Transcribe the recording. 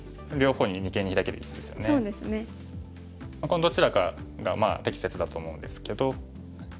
このどちらかが適切だと思うんですけど。